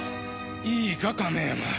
いいか亀山。